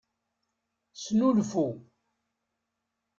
Snulfu.